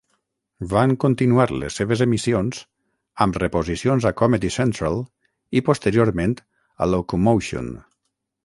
Van continuar les seves emissions, amb reposicions a Comedy Central i posteriorment a Locomotion.